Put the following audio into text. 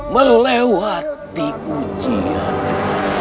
melewati ujian ger prabu